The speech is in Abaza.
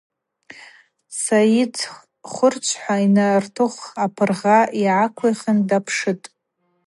Сайыт хвырчвхӏва йнартыхв апыргъа йгӏаквихын дапшытӏ.